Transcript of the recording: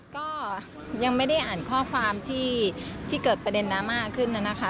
ก็ยังไม่ได้อ่านข้อความที่เกิดประเด็นดราม่าขึ้นนะคะ